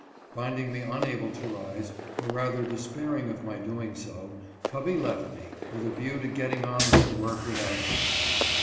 Finding me unable to rise, or rather despairing of my doing so, Covey left me, with a view to getting on with the work without me.